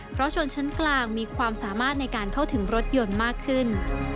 เพราะชนชั้นกลางมีความสามารถในการเข้าถึงรถยนต์มากขึ้น